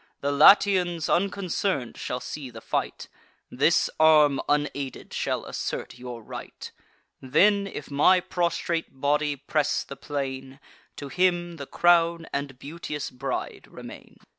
The Latians unconcern'd shall see the fight; This arm unaided shall assert your right: Then, if my prostrate body press the plain, To him the crown and beauteous bride remain."